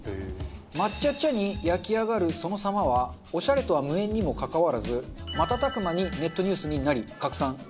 真っ茶っ茶に焼き上がるその様はオシャレとは無縁にもかかわらず瞬く間にネットニュースになり拡散。